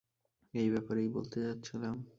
এই ব্যাপারেই বলতে যাচ্ছিলাম।